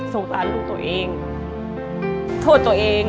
โสญาตุลูกตัวเอง